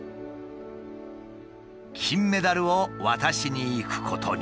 金メダルを渡しに行くことに。